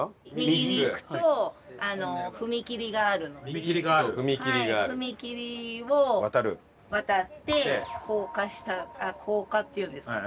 右に行くと踏切があるので踏切を渡って高架下高架っていうんですかね。